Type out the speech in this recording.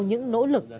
những nỗ lực